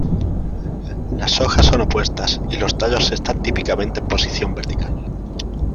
Las hojas son opuestas y los tallos están típicamente en posición vertical.